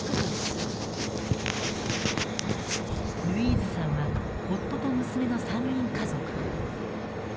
ルイーズさんは夫と娘の３人家族。